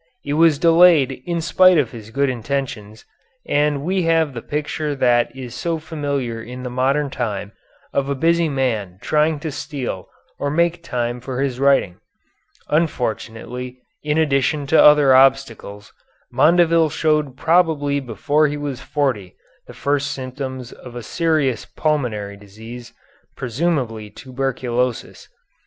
It was delayed in spite of his good intentions, and we have the picture that is so familiar in the modern time of a busy man trying to steal or make time for his writing. Unfortunately, in addition to other obstacles, Mondeville showed probably before he was forty the first symptoms of a serious pulmonary disease, presumably tuberculosis.